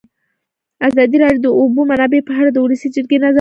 ازادي راډیو د د اوبو منابع په اړه د ولسي جرګې نظرونه شریک کړي.